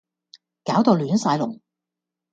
搞到亂晒龍